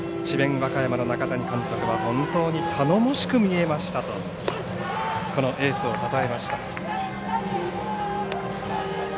和歌山の中谷監督は本当に頼もしく見えましたとこのエースをたたえました。